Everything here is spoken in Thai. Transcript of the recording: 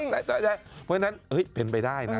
เพราะฉะนั้นเป็นไปได้นะ